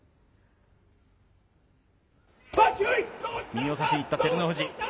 右を差しに行った照ノ富士。